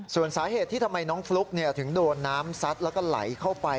ส่วนสาเหตุที่ทำไมน้องฟลุ๊กถึงโดนน้ำซัดแล้วก็ไหลเข้าไป